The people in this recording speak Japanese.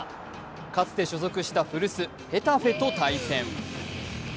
かつて所属した古巣・ヘタフェと対戦。